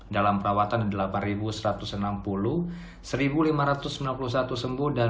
dalam perawatan delapan satu ratus enam puluh satu lima ratus sembilan puluh satu sembuh